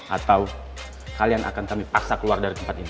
atau kalian akan kami paksa keluar dari tempat ini